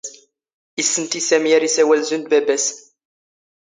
ⵉⵙⵙⵏⵜⵉ ⵙⴰⵎⵉ ⴰⵔ ⵉⵙⴰⵡⴰⵍ ⵣⵓⵏ ⴷ ⴱⴰⴱⴰⵙ.